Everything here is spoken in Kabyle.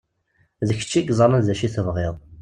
D kečč i yeẓran d acu i tebɣiḍ!